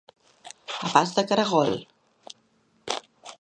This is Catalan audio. A pas de caragol.